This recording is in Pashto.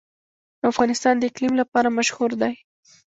افغانستان د اقلیم لپاره مشهور دی.